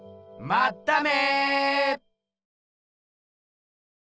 まっため！